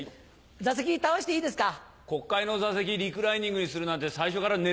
座席倒していいですか？